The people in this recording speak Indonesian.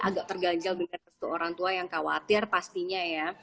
agak terganjal dengan orang tua yang khawatir pastinya ya